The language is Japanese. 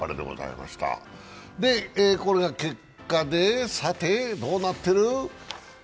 これが結果で、さてどうなっている？